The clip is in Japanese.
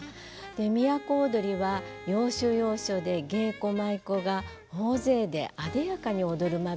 「都をどり」は要所要所で芸妓・舞妓が大勢であでやかに踊る場面があるんですね。